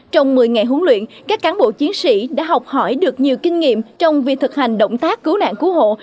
trong một mươi ngày huấn luyện các cán bộ chiến sĩ đã học hỏi được nhiều kinh nghiệm trong việc thực hành động tác cứu nạn cứu hộ